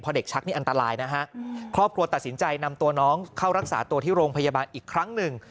เด็กชักนี่อันตรายนะฮะครอบครัวตัดสินใจนำตัวน้องเข้ารักษาตัวที่โรงพยาบาลอีกครั้งหนึ่ง